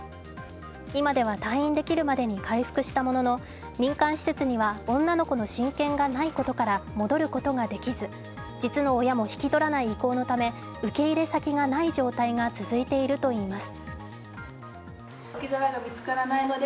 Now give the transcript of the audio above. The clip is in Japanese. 今では退院できるまでに回復したものの民間施設には女の子の親権がないことから戻ることができず実の親も引き取らない意向のため、受け入れ先がない状態が続いているといいます。